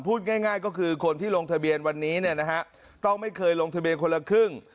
พูดง่ายก็คือคนที่ลงทะเบียนวันนี้เนี่ยนะฮะต้องไม่เคยลงทะเบียนคนละครึ่ง